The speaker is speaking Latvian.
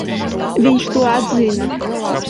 Viņš to atzina.